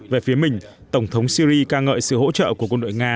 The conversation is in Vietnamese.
về phía mình tổng thống syri ca ngợi sự hỗ trợ của quân đội nga